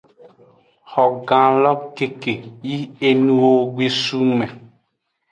Xogan lo keke yi enuwo gbe sun me.